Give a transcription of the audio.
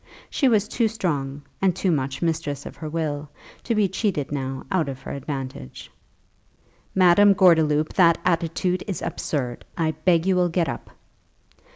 She was too strong, and too much mistress of her will, to be cheated now out of her advantage. "Madame Gordeloup, that attitude is absurd; I beg you will get up."